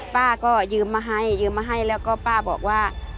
ป้าก็ยืมมาให้ยืมมาให้แล้วก็ป้าบอกว่า